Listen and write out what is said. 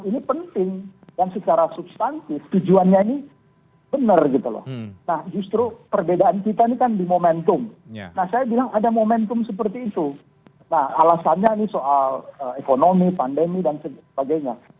ini penting dan secara substantif tujuannya ini benar gitu loh nah justru perbedaan kita ini kan di momentum nah saya bilang ada momentum seperti itu nah alasannya ini soal ekonomi pandemi dan sebagainya